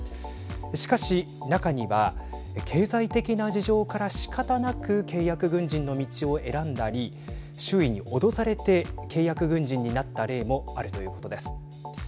しかし、中には経済的な事情から、しかたなく契約軍人の道を選んだり周囲に脅されて契約軍人になった例もあるということです。